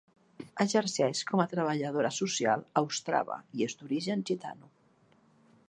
Exerceix com a treballadora social a Ostrava i és d'origen gitano.